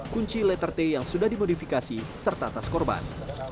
kunci letter t yang sudah dimodifikasi serta tas korban